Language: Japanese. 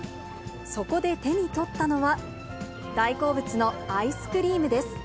そこで手に取ったのは、大好物のアイスクリームです。